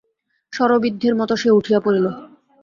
শরবিদ্ধের মতো সে উঠিয়া পড়িল।